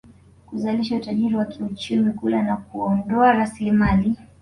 kuzalisha utajiri wa kiuchumi kula na kuondoa rasilimali